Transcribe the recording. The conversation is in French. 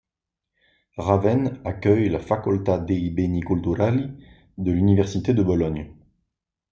Ravenne accueille la Facoltà dei beni culturali de l'université de Bologne.